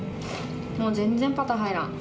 もう全然パター入らん。